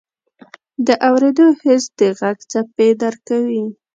د اورېدو حس د غږ څپې درک کوي.